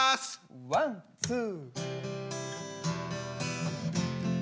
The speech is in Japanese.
ワンツー。